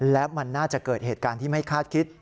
และมันน่าจะเกิดเหตุการณ์ที่ไม่คาดคิด